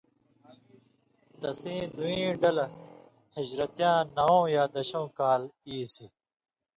تسیں دُوئیں ڈلہۡ ہِجرتِیاں نوؤں یا دَشؤں کال ایسیۡ،